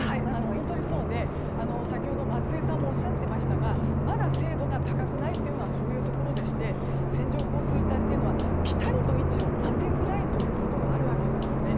本当にそうでさっき松井さんもおっしゃっていましたがまだ精度が高くないというのはそういうところでして線状降水帯っていうのはぴたりと位置を当てづらいということがあるんですね。